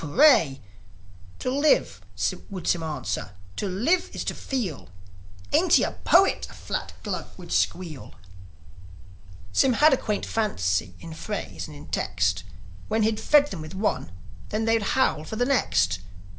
"Hip, Hooray!" "To live," would Sym answer, "To live is to feel!" "And ain't he a poet?" a fat Glug would squeal. Sym had a quaint fancy in phrase and in text; When he'd fed them with one they would howl for the next.